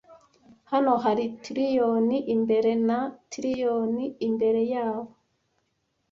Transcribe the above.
Hano hari trillioni imbere, na trillioni imbere yabo.